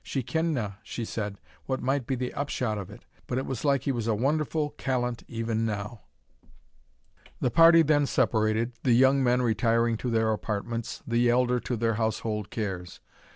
She kendna," she said, "what might be the upshot of it, but it was like he was a wonderfu' callant even now." The party then separated, the young men retiring to their apartments, the elder to their household cares.